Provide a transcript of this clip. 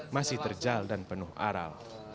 masih terjal dan penuh aral